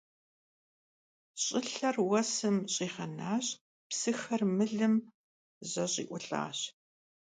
Ş'ılher vuesım ş'iğenaş, psıxer mılım zeş'i'ulh'aş.